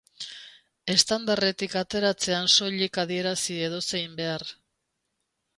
Estandarretik ateratzean soilik adierazi edozein behar.